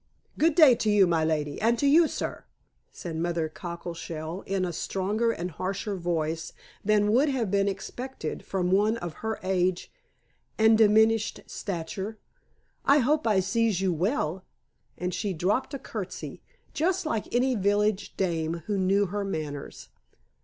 "Good day to you, my lady, and to you, sir," said Mother Cockleshell in a stronger and harsher voice than would have been expected from one of her age and diminished stature. "I hope I sees you well," and she dropped a curtsey, just like any village dame who knew her manners.